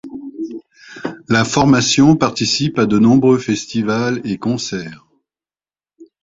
La formation participe à de nombreux festivals et concerts.